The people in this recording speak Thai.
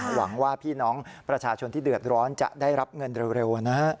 หวังว่าพี่น้องประชาชนที่เดือดร้อนจะได้รับเงินเร็วนะฮะ